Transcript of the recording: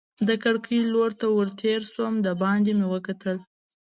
د کړکۍ لور ته ور تېر شوم، دباندې مې وکتل.